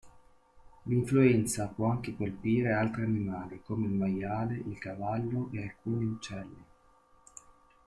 L'influenza può anche colpire altri animali come il maiale, il cavallo e alcuni uccelli.